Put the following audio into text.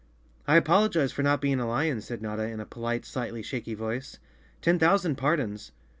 "I apologize for not being a lion," said Notta, in a polite, slightly shaky voice. "Ten thousand pardons!"